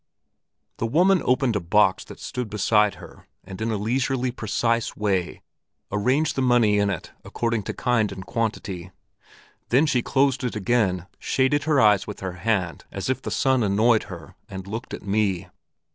The woman opened a box that stood beside her and in a leisurely, precise way arranged the money in it according to kind and quantity; then she closed it again, shaded her eyes with her hand as if the sun annoyed her, and looked at me.